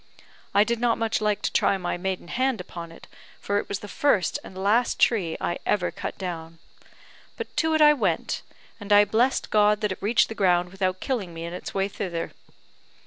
I did not much like to try my maiden hand upon it, for it was the first and the last tree I ever cut down. But to it I went; and I blessed God that it reached the ground without killing me in its way thither.